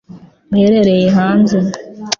uhereye hanze